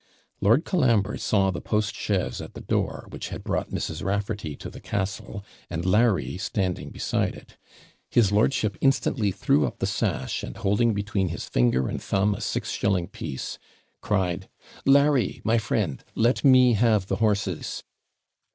'Lord Colambre saw the post chaise at the door, which had brought Mrs. Raffarty to the castle, and Larry standing beside it; his lordship instantly threw up the sash, and holding between his finger and thumb a six shilling piece, cried, 'Larry, my friend, let me have the horses!'